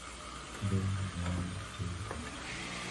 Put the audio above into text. Her song "Bim Bam toi" was also nominated for Song of the Year.